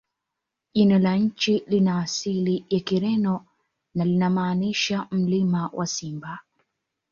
Jina la nchi lina asili ya Kireno na linamaanisha "Mlima wa Simba".